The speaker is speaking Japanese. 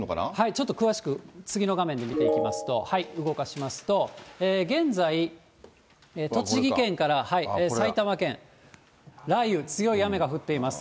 ちょっと詳しく、次の画面で見ていきますと、動かしますと、現在、栃木県から埼玉県、雷雨、強い雨が降っています。